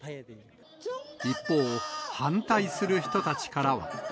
一方、反対する人たちからは。